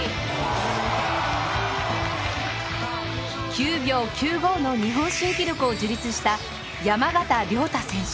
９秒９５の日本新記録を樹立した山縣亮太選手。